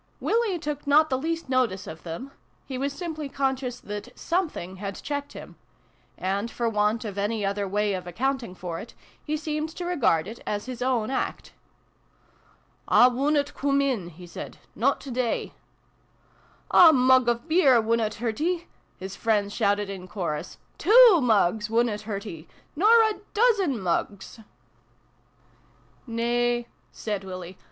' Willie ' took not the least notice of them : he was simply conscious that something had checked him : and, for want of any other way of accounting for it, he seemed to regard it as his own act. VI] WILLIE'S WIFE. ' I wunnut coom in," he said :" not to day." " A mug o' beer wunnut hurt 'ee !" his friends shouted in chorus. " Two mugs wunnut hurt 'ee ! Nor a dozen mugs !" G 2 84 SYLVIE AND BRUNO CONCLUDED. " Nay," said Willie.